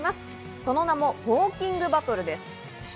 その名もウオーキングバトルです。